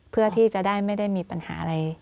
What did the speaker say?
เพื่อที่จะได้ไม่ได้มีปัญหาอะไร